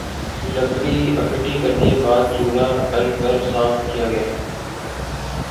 لکڑی اکٹھی کر کے بعد چولہا ال کر صاف کیا گیا